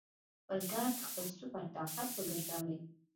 خپل درد خپل سُوپر طاقت وګرځوئ